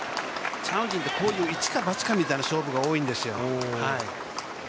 チャン・ウジンってこういう一か八かみたいな勝負が多いんですよ。